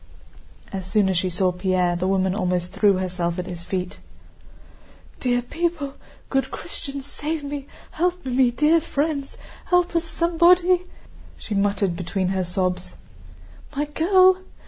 As soon as she saw Pierre, the woman almost threw herself at his feet. "Dear people, good Christians, save me, help me, dear friends... help us, somebody," she muttered between her sobs. "My girl...